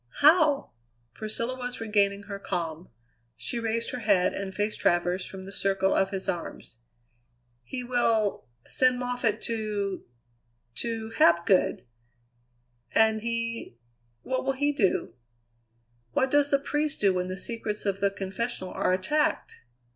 "How?" Priscilla was regaining her calm; she raised her head and faced Travers from the circle of his arms. "He will send Moffatt to to Hapgood." "And he what will he do?" "What does the priest do when the secrets of the confessional are attacked?"